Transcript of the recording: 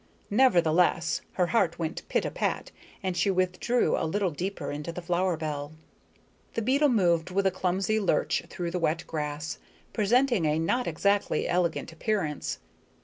Nevertheless her heart went pit a pat, and she withdrew a little deeper into the flower bell. The beetle moved with a clumsy lurch through the wet grass, presenting a not exactly elegant appearance.